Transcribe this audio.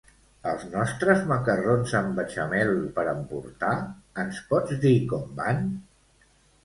Els nostres macarrons amb beixamel per emportar, ens pots dir com van?